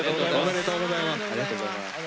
おめでとうございます。